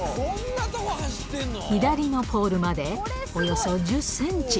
左のポールまでおよそ１０センチ。